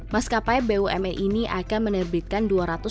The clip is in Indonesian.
maskapai bumn ini akan menerbitkan